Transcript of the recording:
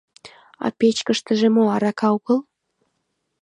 А печкештыже мо, арака огыл?